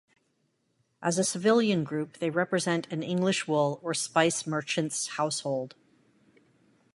As a civilian group they represent an English wool or spice merchant's household.